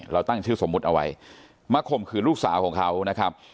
ตั้งชื่อสมมุติเอาไว้มาข่มขืนลูกสาวของเขานะครับ